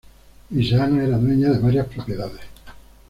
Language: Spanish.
Luisa Ana era dueña de varias propiedades.